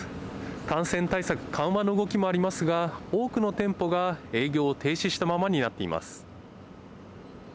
感染対策緩和の動きもありますが多くの店舗が営業を停止したままになっています。